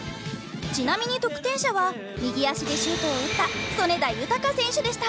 ちなみに得点者は右足でシュートを打った曽根田穣選手でした。